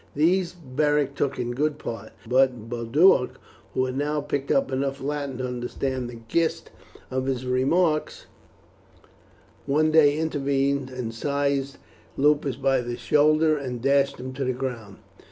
These Beric took in good part, but Boduoc, who had now picked up enough Latin to understand the gist of his remarks, one day intervened, and seizing Lupus by the shoulder dashed him to the ground.